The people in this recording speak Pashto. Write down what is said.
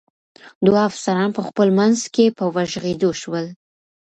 دوه افسران په خپل منځ کې په وږغېدو شول.